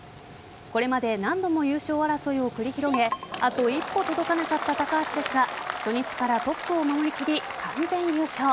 これまで何度も優勝争いを繰り広げあと一歩届かなかった高橋ですが初日からトップを守り切り完全優勝。